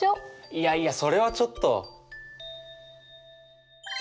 いやいやそれはちょっと。